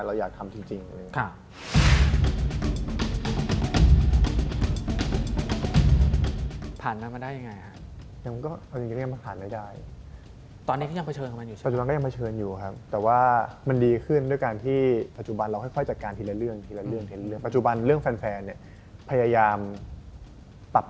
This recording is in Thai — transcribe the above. เราอยากทำจริงเลยนะครับ